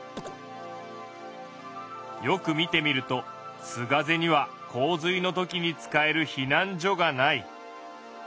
よく見てみると須ヶ瀬には洪水のときに使える避難所がない。